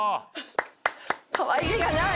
かわいげがない。